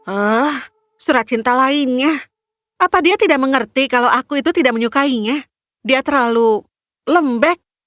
eh surat cinta lainnya apa dia tidak mengerti kalau aku itu tidak menyukainya dia terlalu lembek